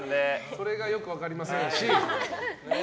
それがよく分かりませんし。